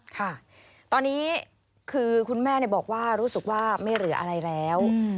ค่ะตอนนี้คือคุณแม่บอกว่ารู้สึกว่าไม่เหลืออะไรแล้ว